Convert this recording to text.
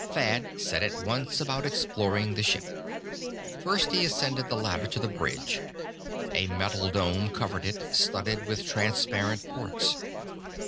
Thad set at once about exploring the ship. First he ascended the ladder to the bridge. A metal dome covered it, studded with transparent ports.